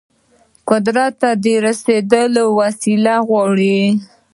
قدرت ته د رسیدل وسيله غواړي.